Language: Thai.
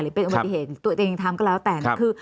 หรือเป็นอุบัติเหตุตัวเองทำก็แล้วแต่